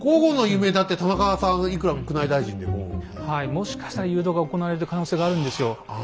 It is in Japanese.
もしかしたら誘導が行われてる可能性があるんですよ。